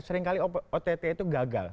seringkali ott itu gagal